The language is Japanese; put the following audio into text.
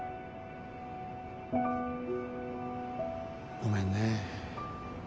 ごめんね。